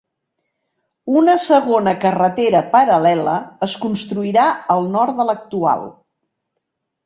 Una segona carretera paral·lela es construirà al nord de l'actual.